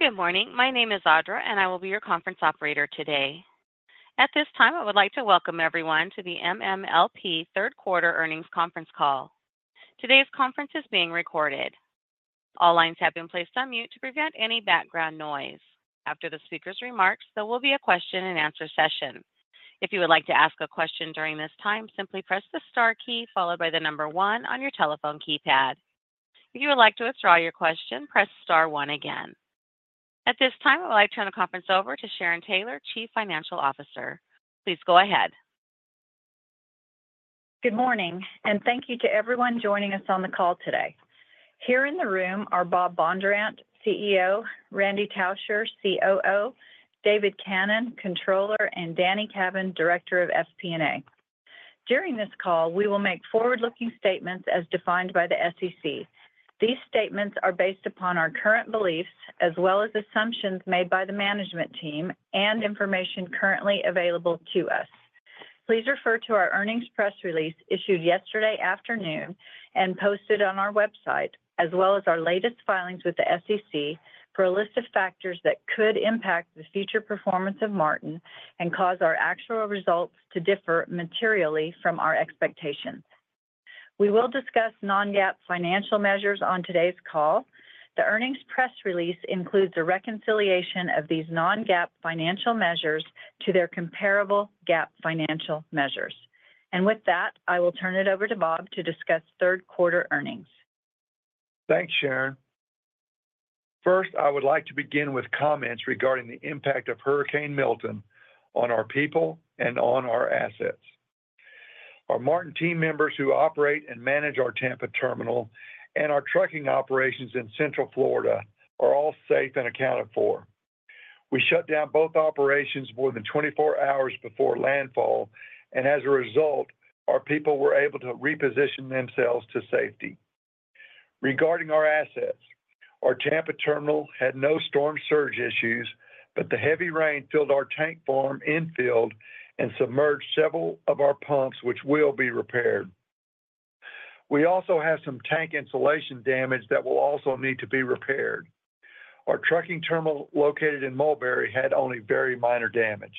Good morning. My name is Audra, and I will be your conference operator today. At this time, I would like to welcome everyone to the MMLP third quarter earnings conference call. Today's conference is being recorded. All lines have been placed on mute to prevent any background noise. After the speaker's remarks, there will be a question-and-answer session. If you would like to ask a question during this time, simply press the star key followed by the number one on your telephone keypad. If you would like to withdraw your question, press star one again. At this time, I would like to turn the conference over to Sharon Taylor, Chief Financial Officer. Please go ahead. Good morning, and thank you to everyone joining us on the call today. Here in the room are Bob Bondurant, CEO, Randy Tauscher, COO, David Cannon, Controller, and Danny Cavin, Director of FP&A. During this call, we will make forward-looking statements as defined by the SEC. These statements are based upon our current beliefs, as well as assumptions made by the management team and information currently available to us. Please refer to our earnings press release issued yesterday afternoon and posted on our website, as well as our latest filings with the SEC for a list of factors that could impact the future performance of Martin and cause our actual results to differ materially from our expectations. We will discuss non-GAAP financial measures on today's call. The earnings press release includes a reconciliation of these non-GAAP financial measures to their comparable GAAP financial measures. With that, I will turn it over to Bob to discuss third-quarter earnings. Thanks, Sharon. First, I would like to begin with comments regarding the impact of Hurricane Milton on our people and on our assets. Our Martin team members who operate and manage our Tampa terminal and our trucking operations in Central Florida are all safe and accounted for. We shut down both operations more than twenty-four hours before landfall, and as a result, our people were able to reposition themselves to safety. Regarding our assets, our Tampa terminal had no storm surge issues, but the heavy rain filled our tank farm infield and submerged several of our pumps, which will be repaired. We also have some tank insulation damage that will also need to be repaired. Our trucking terminal, located in Mulberry, had only very minor damage.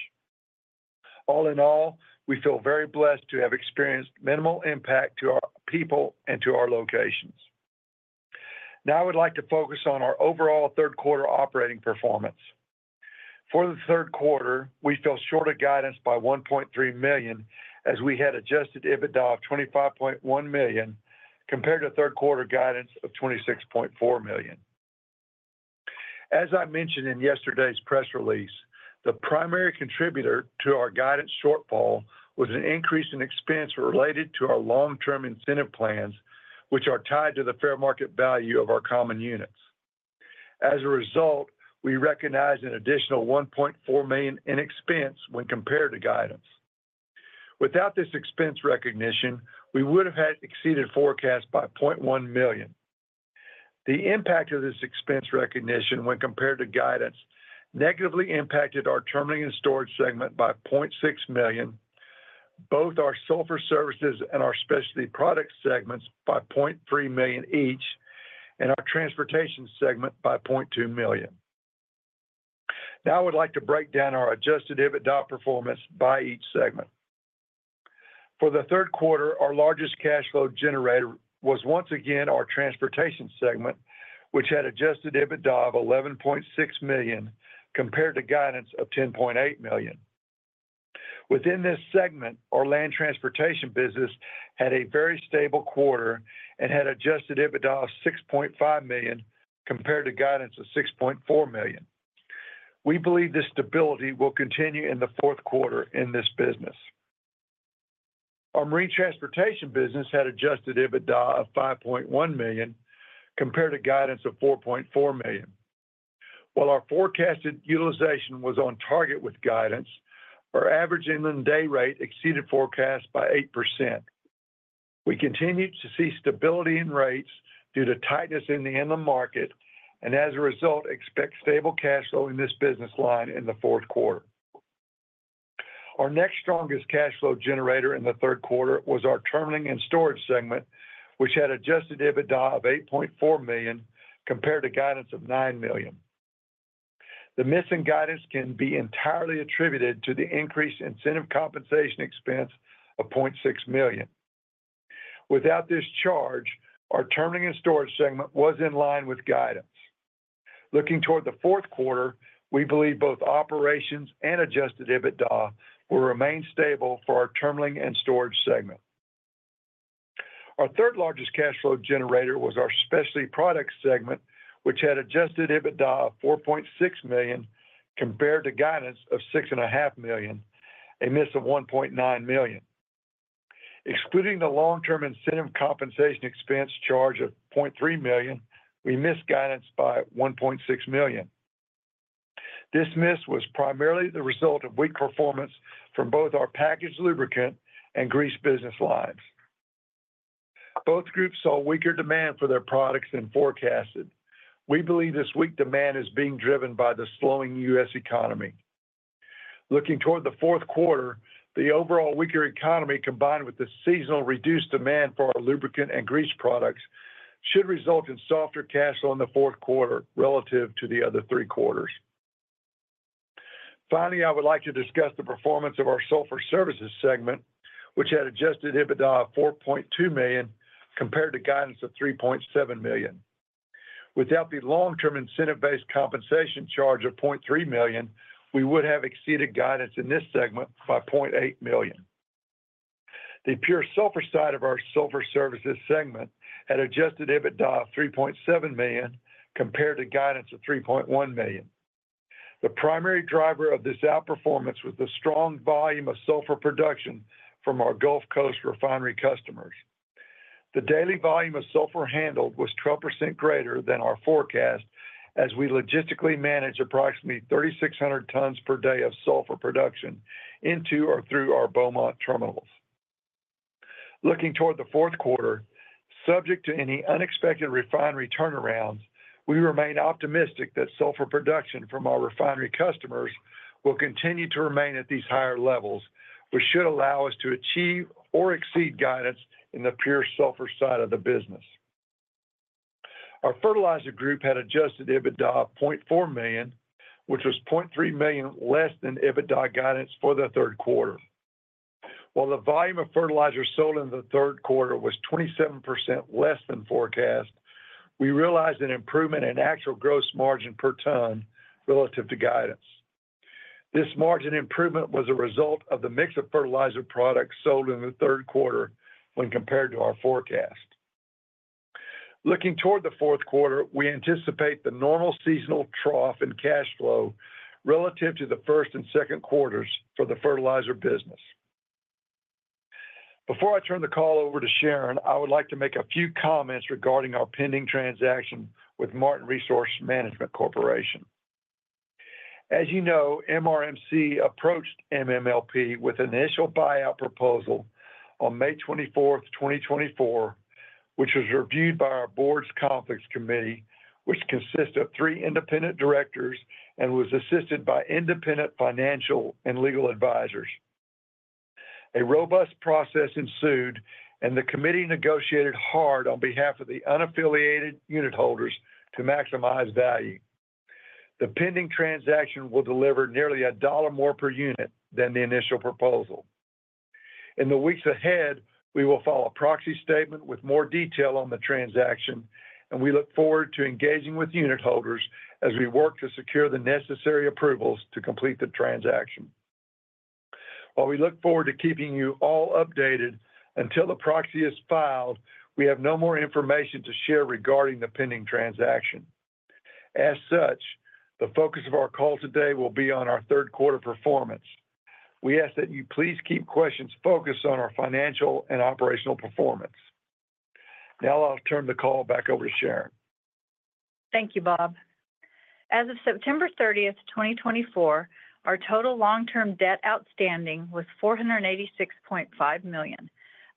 All in all, we feel very blessed to have experienced minimal impact to our people and to our locations. Now, I would like to focus on our overall third-quarter operating performance. For the third quarter, we fell short of guidance by $1.3 million, as we had Adjusted EBITDA of $25.1 million, compared to third quarter guidance of $26.4 million. As I mentioned in yesterday's press release, the primary contributor to our guidance shortfall was an increase in expense related to our long-term incentive plans, which are tied to the fair market value of our common units. As a result, we recognized an additional $1.4 million in expense when compared to guidance. Without this expense recognition, we would have had exceeded forecast by $0.1 million. The impact of this expense recognition, when compared to guidance, negatively impacted our terminal ling and storage segment by $0.6 million, both our sulfur services and our specialty products segments by $0.3 million each, and our transportation segment by $0.2 million. Now, I would like to break down our adjusted EBITDA performance by each segment. For the third quarter, our largest cash flow generator was once again our transportation segment, which had adjusted EBITDA of $11.6 million, compared to guidance of $10.8 million. Within this segment, our land transportation business had a very stable quarter and had adjusted EBITDA of $6.5 million, compared to guidance of $6.4 million. We believe this stability will continue in the fourth quarter in this business. Our marine transportation business had Adjusted EBITDA of $5.1 million, compared to guidance of $4.4 million. While our forecasted utilization was on target with guidance, our average inland day rate exceeded forecast by 8%. We continued to see stability in rates due to tightness in the inland market and, as a result, expect stable cash flow in this business line in the fourth quarter. Our next strongest cash flow generator in the third quarter was our terminalling and storage segment, which had Adjusted EBITDA of $8.4 million, compared to guidance of $9 million. The missing guidance can be entirely attributed to the increased incentive compensation expense of $0.6 million. Without this charge, our terminal ling and storage segment was in line with guidance. Looking toward the fourth quarter, we believe both operations and Adjusted EBITDA will remain stable for our terminal ling and storage segment. Our third largest cash flow generator was our specialty products segment, which had Adjusted EBITDA of $4.6 million, compared to guidance of $6.5 million, a miss of $1.9 million. Excluding the long-term incentive compensation expense charge of $0.3 million, we missed guidance by $1.6 million. This miss was primarily the result of weak performance from both our packaged lubricant and grease business lines. Both groups saw weaker demand for their products than forecasted. We believe this weak demand is being driven by the slowing U.S. economy. Looking toward the fourth quarter, the overall weaker economy, combined with the seasonal reduced demand for our lubricant and grease products, should result in softer cash flow in the fourth quarter relative to the other three quarters. Finally, I would like to discuss the performance of our Sulfur Services segment, which had Adjusted EBITDA of $4.2 million, compared to guidance of $3.7 million. Without the long-term incentive-based compensation charge of $0.3 million, we would have exceeded guidance in this segment by $0.8 million. The pure sulfur side of our Sulfur Services segment had Adjusted EBITDA of $3.7 million, compared to guidance of $3.1 million. The primary driver of this outperformance was the strong volume of sulfur production from our Gulf Coast refinery customers. The daily volume of sulfur handled was 12% greater than our forecast, as we logistically managed approximately 3,600 tons per day of sulfur production into or through our Beaumont terminals. Looking toward the fourth quarter, subject to any unexpected refinery turnarounds, we remain optimistic that sulfur production from our refinery customers will continue to remain at these higher levels, which should allow us to achieve or exceed guidance in the pure sulfur side of the business. Our Fertilizer group had Adjusted EBITDA of $0.4 million, which was $0.3 million less than EBITDA guidance for the third quarter. While the volume of fertilizer sold in the third quarter was 27% less than forecast, we realized an improvement in actual gross margin per ton relative to guidance. This margin improvement was a result of the mix of fertilizer products sold in the third quarter when compared to our forecast. Looking toward the fourth quarter, we anticipate the normal seasonal trough in cash flow relative to the first and second quarters for the Fertilizer business. Before I turn the call over to Sharon, I would like to make a few comments regarding our pending transaction with Martin Resource Management Corporation. As you know, MRMC approached MMLP with an initial buyout proposal on May twenty-fourth, 2024, which was reviewed by our board's Conflicts Committee, which consists of three independent directors and was assisted by independent financial and legal advisors. A robust process ensued, and the committee negotiated hard on behalf of the unaffiliated unitholders to maximize value. The pending transaction will deliver nearly $1 more per unit than the initial proposal. In the weeks ahead, we will file a Proxy Statement with more detail on the transaction, and we look forward to engaging with unitholders as we work to secure the necessary approvals to complete the transaction. While we look forward to keeping you all updated, until the Proxy Statement is filed, we have no more information to share regarding the pending transaction. As such, the focus of our call today will be on our third quarter performance. We ask that you please keep questions focused on our financial and operational performance. Now I'll turn the call back over to Sharon. Thank you, Bob. As of September 30, 2024, our total long-term debt outstanding was $486.5 million,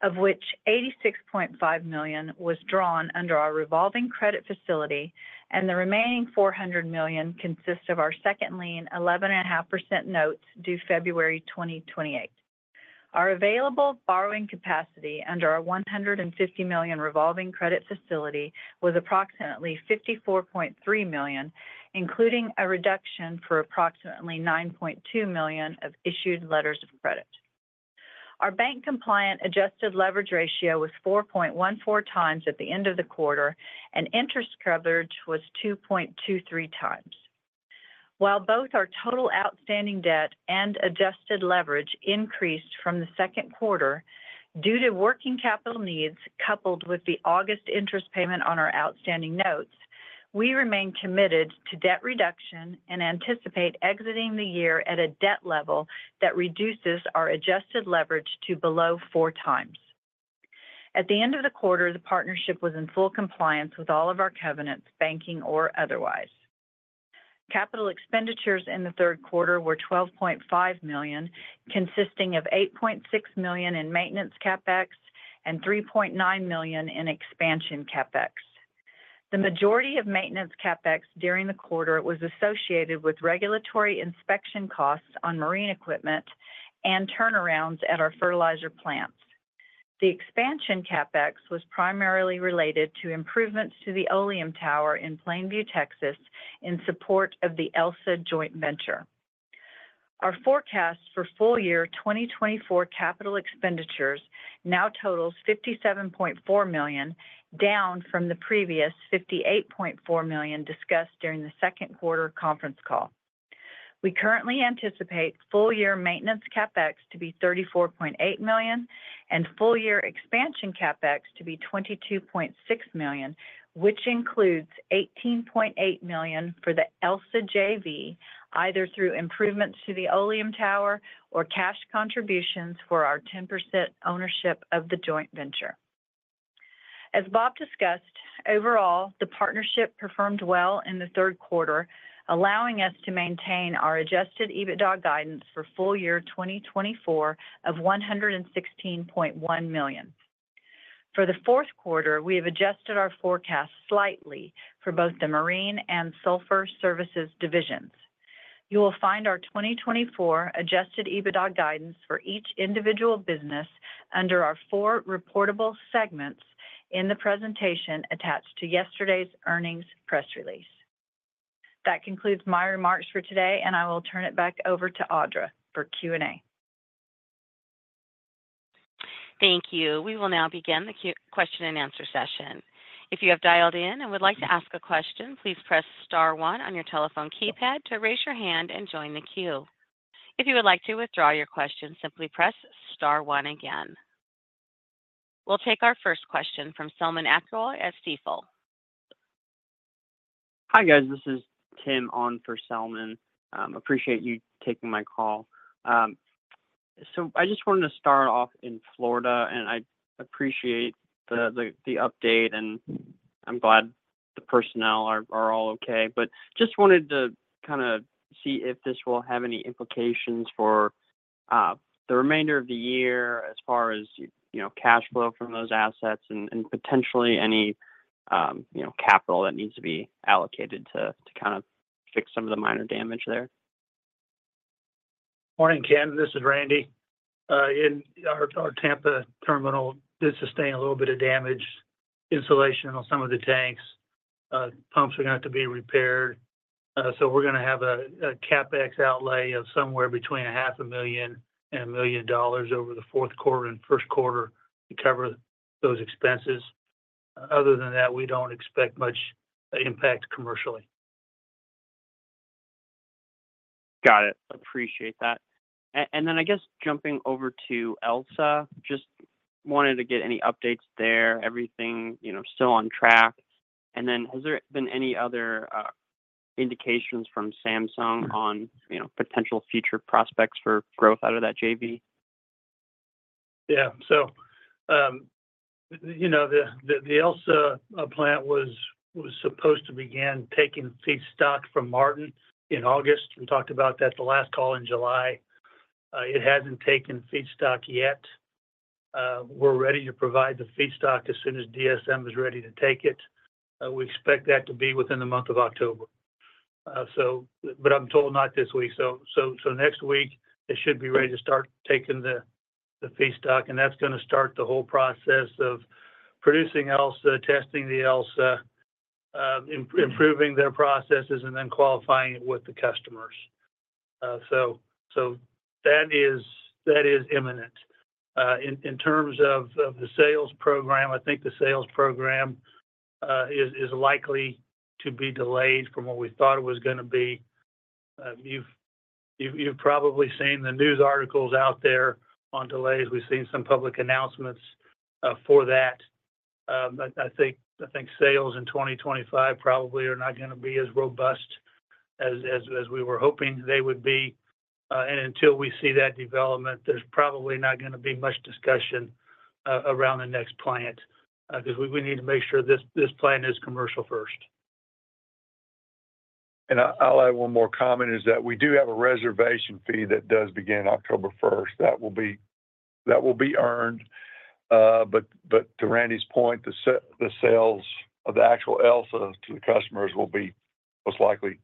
of which $86.5 million was drawn under our revolving credit facility, and the remaining $400 million consists of our second lien 11.5% notes due February 2028. Our available borrowing capacity under our $150 million revolving credit facility was approximately $54.3 million, including a reduction for approximately $9.2 million of issued letters of credit. Our bank-compliant adjusted leverage ratio was 4.14 times at the end of the quarter, and interest coverage was 2.23 times. While both our total outstanding debt and adjusted leverage increased from the second quarter due to working capital needs, coupled with the August interest payment on our outstanding notes, we remain committed to debt reduction and anticipate exiting the year at a debt level that reduces our adjusted leverage to below four times. At the end of the quarter, the partnership was in full compliance with all of our covenants, banking or otherwise. Capital expenditures in the third quarter were $12.5 million, consisting of $8.6 million in maintenance CapEx and $3.9 million in expansion CapEx. The majority of maintenance CapEx during the quarter was associated with regulatory inspection costs on marine equipment and turnarounds at our fertilizer plants. The expansion CapEx was primarily related to improvements to the oleum tower in Plainview, Texas, in support of the ELSA joint venture. Our forecast for full-year 2024 capital expenditures now totals $57.4 million, down from the previous $58.4 million discussed during the second quarter conference call. We currently anticipate full-year maintenance CapEx to be $34.8 million and full-year expansion CapEx to be $22.6 million, which includes $18.8 million for the ELSA JV, either through improvements to the oleum tower or cash contributions for our 10% ownership of the joint venture. As Bob discussed, overall, the partnership performed well in the third quarter, allowing us to maintain our adjusted EBITDA guidance for full-year 2024 of $116.1 million. For the fourth quarter, we have adjusted our forecast slightly for both the Marine and Sulfur Services divisions. You will find our 2024 Adjusted EBITDA guidance for each individual business under our four reportable segments in the presentation attached to yesterday's earnings press release. That concludes my remarks for today, and I will turn it back over to Audra for Q&A. Thank you. We will now begin the question and answer session. If you have dialed in and would like to ask a question, please press star one on your telephone keypad to raise your hand and join the queue. If you would like to withdraw your question, simply press star one again. We'll take our first question from Selman Akyol at Stifel. Hi, guys. This is Tim on for Salman. Appreciate you taking my call, so I just wanted to start off in Florida, and I appreciate the update, and I'm glad the personnel are all okay, but just wanted to kind of see if this will have any implications for the remainder of the year as far as you know, cash flow from those assets and potentially any you know, capital that needs to be allocated to kind of fix some of the minor damage there. Morning, Tim. This is Randy. In our Tampa terminal did sustain a little bit of damage, insulation on some of the tanks. Pumps are gonna have to be repaired. So we're gonna have a CapEx outlay of somewhere between $500,000 and $1 million over the fourth quarter and first quarter to cover those expenses. Other than that, we don't expect much impact commercially. Got it. Appreciate that. And then I guess jumping over to ELSA, just wanted to get any updates there, everything, you know, still on track. And then has there been any other indications from Samsung on, you know, potential future prospects for growth out of that JV? Yeah. So, you know, the ELSA plant was supposed to begin taking feedstock from Martin in August. We talked about that the last call in July. It hasn't taken feedstock yet. We're ready to provide the feedstock as soon as DSM is ready to take it. We expect that to be within the month of October. So but I'm told not this week. So, next week, they should be ready to start taking the feedstock, and that's gonna start the whole process of producing ELSA, testing the ELSA, improving their processes, and then qualifying it with the customers. So, that is imminent. In terms of the sales program, I think the sales program is likely to be delayed from what we thought it was gonna be. You've probably seen the news articles out there on delays. We've seen some public announcements for that. I think sales in 2025 probably are not gonna be as robust as we were hoping they would be, and until we see that development, there's probably not gonna be much discussion around the next plant because we need to make sure this plant is commercial first. I'll add one more comment, is that we do have a reservation fee that does begin October first. That will be earned, but to Randy's point, the sales of the actual ELSA to the customers will be most likely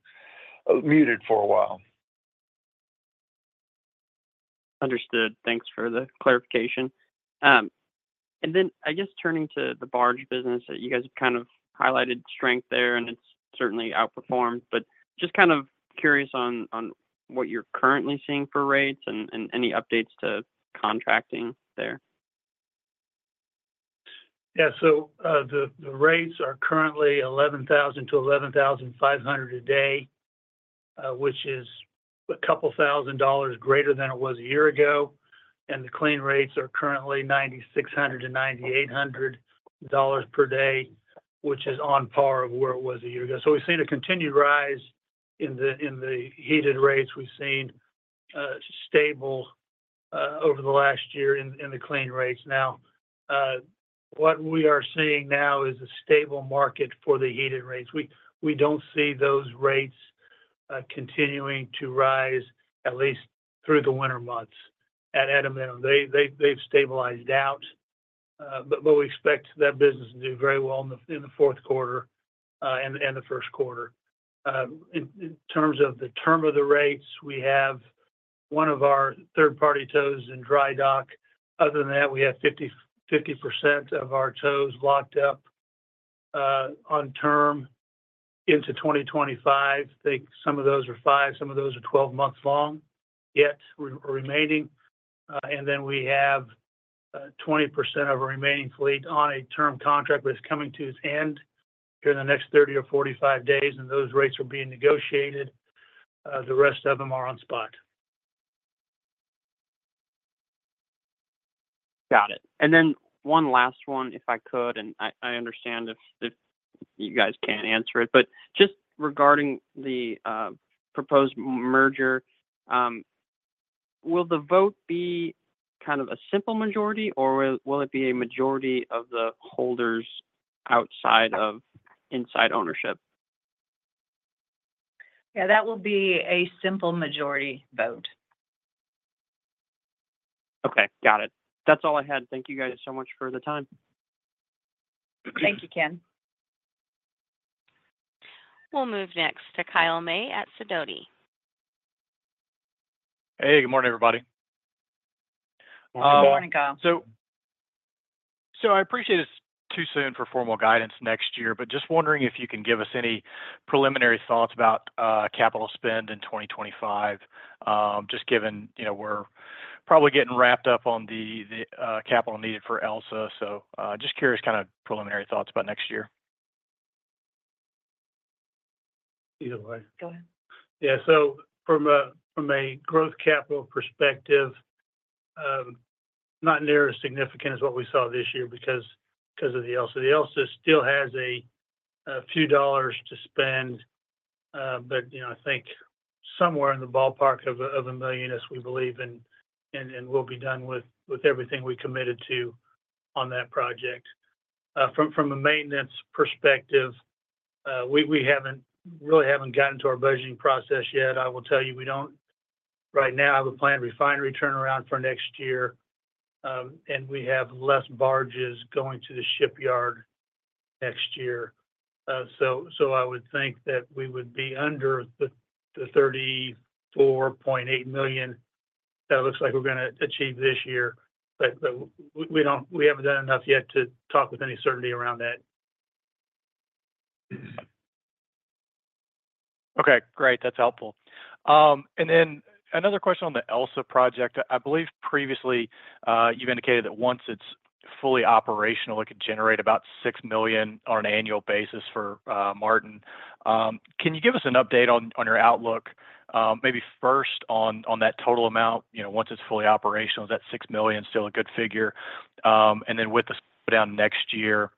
muted for a while. Understood. Thanks for the clarification. And then, I guess turning to the barge business, you guys have kind of highlighted strength there, and it's certainly outperformed. But just kind of curious on what you're currently seeing for rates and any updates to contracting there. Yeah. So, the rates are currently $11,000 to $11,500 a day, which is a couple thousand dollars greater than it was a year ago. And the clean rates are currently $9,600 to $9,800 per day, which is on par of where it was a year ago. So we've seen a continued rise in the heated rates. We've seen stable over the last year in the clean rates. Now, what we are seeing now is a stable market for the heated rates. We don't see those rates continuing to rise, at least through the winter months at a minimum. They've stabilized out, but we expect that business to do very well in the fourth quarter, and the first quarter. In terms of the term of the rates, we have one of our third-party tows in dry dock. Other than that, we have 50% of our tows locked up on term into 2025. I think some of those are five, some of those are 12 months long, yet remaining. And then we have 20% of our remaining fleet on a term contract that's coming to its end during the next 30 or 45 days, and those rates are being negotiated. The rest of them are on spot. Got it. And then one last one, if I could. I understand if you guys can't answer it, but just regarding the proposed merger, will the vote be kind of a simple majority, or will it be a majority of the holders outside of inside ownership?... Yeah, that will be a simple majority vote. Okay, got it. That's all I had. Thank you, guys, so much for the time. Thank you, Ken. We'll move next to Kyle May at Sidoti. Hey, good morning, everybody. Good morning, Kyle. So, I appreciate it's too soon for formal guidance next year but just wondering if you can give us any preliminary thoughts about capital spend in 2025. Just given, you know, we're probably getting wrapped up on the capital needed for ELSA. So, just curious, kind of preliminary thoughts about next year. Either way. Go ahead. Yeah. So from a growth capital perspective, not near as significant as what we saw this year because of the ELSA. The ELSA still has a few dollars to spend, but you know, I think somewhere in the ballpark of $1 million, as we believe, and we'll be done with everything we committed to on that project. From a maintenance perspective, we haven't really gotten to our budgeting process yet. I will tell you, we don't right now have a planned refinery turnaround for next year, and we have less barges going to the shipyard next year. So I would think that we would be under the $34.8 million. So, it looks like we're gonna achieve this year, but we haven't done enough yet to talk with any certainty around that. Okay, great. That's helpful. And then another question on the ELSA project. I believe previously, you've indicated that once it's fully operational, it could generate about $6 million on an annual basis for, Martin. Can you give us an update on your outlook? Maybe first, on that total amount, you know, once it's fully operational, is that $6 million still a good figure? And then with the downtime next year,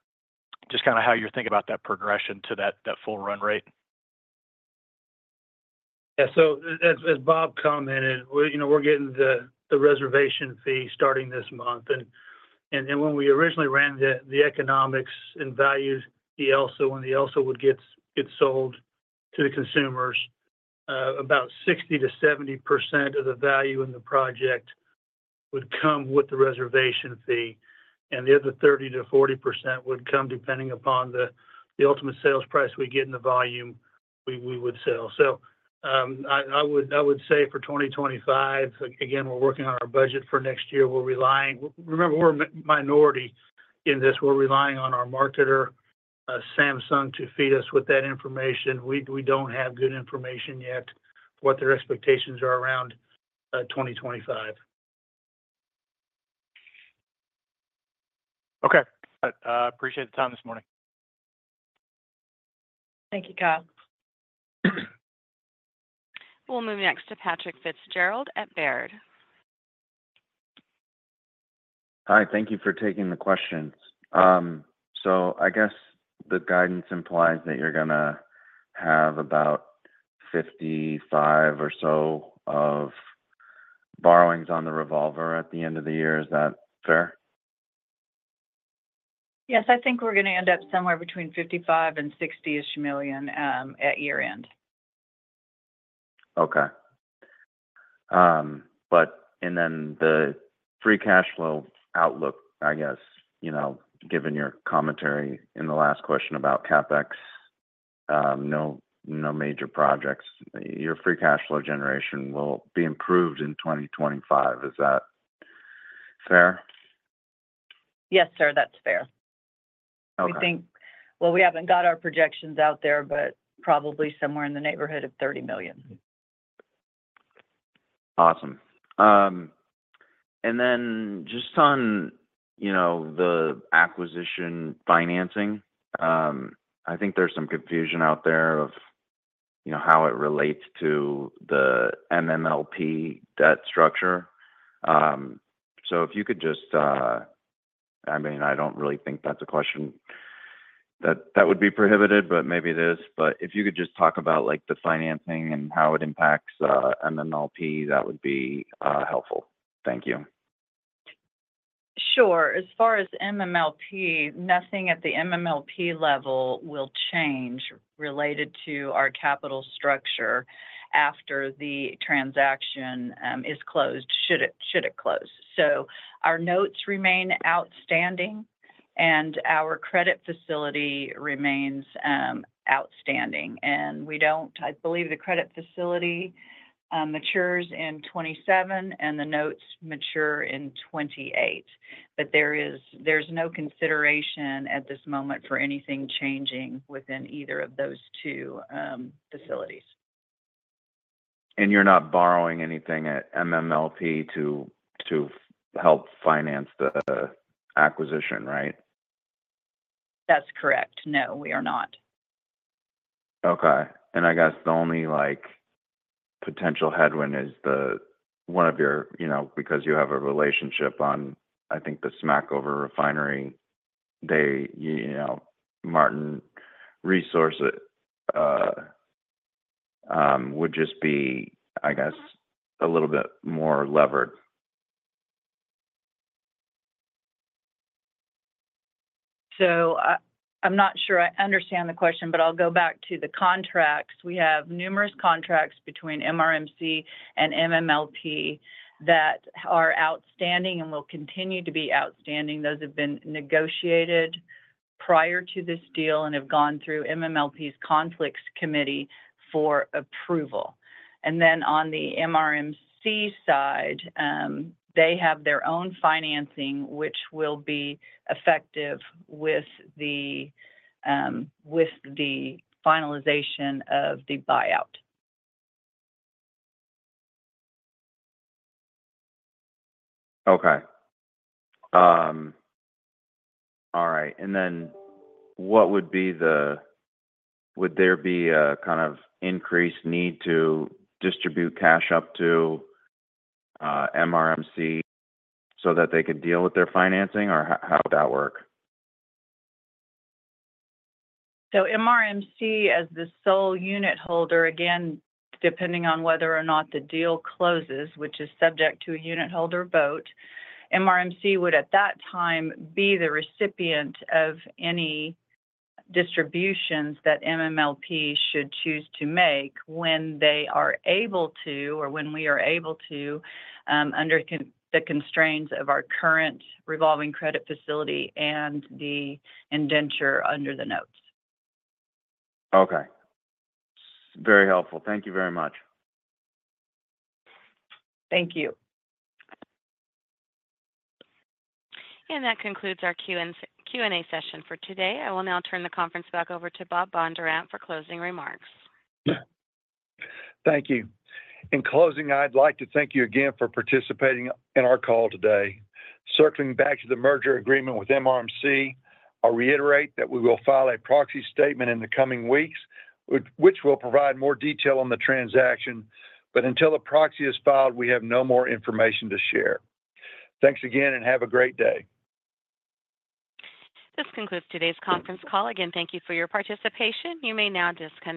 just kinda how you're thinking about that progression to that full run rate. Yeah. So, as Bob commented, we're getting the reservation fee starting this month. And then when we originally ran the economics and values, the ELSA, when the ELSA would get sold to the consumers, about 60%-70% of the value in the project would come with the reservation fee, and the other 30%-40% would come depending upon the ultimate sales price we get and the volume we would sell. I would say for 2025, again, we're working on our budget for next year. We're relying. Remember, we're minority in this. We're relying on our marketer, Samsung, to feed us with that information. We don't have good information, yet what their expectations are around 2025. Okay. Appreciate the time this morning. Thank you, Kyle. We'll move next to Patrick Fitzgerald at Baird. Hi, thank you for taking the questions. So I guess the guidance implies that you're gonna have about 55 or so of borrowings on the revolver at the end of the year. Is that fair? Yes. I think we're gonna end up somewhere between $55 million and $60-ish million at year-end. Okay. But... And then the free cash flow outlook, I guess, you know, given your commentary in the last question about CapEx, no major projects, your free cash flow generation will be improved in 2025. Is that fair? Yes, sir, that's fair. Okay. We haven't got our projections out there, but probably somewhere in the neighborhood of $30 million. Awesome. And then just on, you know, the acquisition financing, I think there's some confusion out there of, you know, how it relates to the MMLP debt structure. So, if you could just, I mean, I don't really think that's a question that would be prohibited, but maybe it is. But if you could just talk about, like, the financing and how it impacts MMLP, that would be helpful. Thank you. Sure. As far as MMLP, nothing at the MMLP level will change related to our capital structure after the transaction is closed, should it, should it close. So, our notes remain outstanding, and our credit facility remains outstanding, and we don't. I believe the credit facility matures in 2027, and the notes mature in 2028. But there is. There's no consideration at this moment for anything changing within either of those two facilities. You're not borrowing anything at MMLP to help finance the acquisition, right? That's correct. No, we are not. Okay. And I guess the only, like, potential headwind is the, one of your, you know, because you have a relationship on, I think, the Smackover refinery. They, you know, Martin Resources, would just be, I guess, a little bit more levered. So, I'm not sure I understand the question, but I'll go back to the contracts. We have numerous contracts between MRMC and MMLP that are outstanding and will continue to be outstanding. Those have been negotiated prior to this deal and have gone through MMLP's Conflicts Committee for approval. And then on the MRMC side, they have their own financing, which will be effective with the finalization of the buyout. Okay. All right, and then would there be a kind of increased need to distribute cash up to MRMC so that they could deal with their financing, or how would that work? So MRMC, as the sole unitholder, again, depending on whether or not the deal closes, which is subject to a unitholder vote, MRMC would, at that time, be the recipient of any distributions that MMLP should choose to make when they are able to or when we are able to, under the constraints of our current revolving credit facility and the indenture under the notes. Okay. Very helpful. Thank you very much. Thank you. And that concludes our Q&A session for today. I will now turn the conference back over to Bob Bondurant for closing remarks. Thank you. In closing, I'd like to thank you again for participating in our call today. Circling back to the merger agreement with MRMC, I reiterate that we will file a proxy statement in the coming weeks, which will provide more detail on the transaction. But until a proxy is filed, we have no more information to share. Thanks again and have a great day. This concludes today's conference call. Again, thank you for your participation. You may now disconnect.